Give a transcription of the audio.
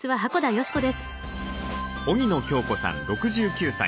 荻野恭子さん６９歳。